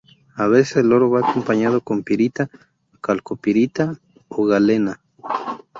A veces el oro va acompañado con pirita, calcopirita o galena.